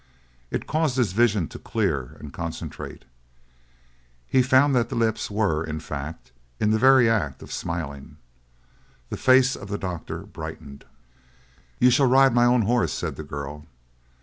It caused his vision to clear and concentrate; he found that the lips were, in fact, in the very act of smiling. The face of the doctor brightened. "You shall ride my own horse," said the girl.